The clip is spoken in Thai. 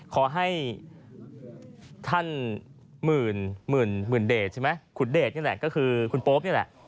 ขอให้ท่านหมื่นเดชใช่ไหมคุณเดชนี่แหละก็คือคุณโป๊ปนี่แหละ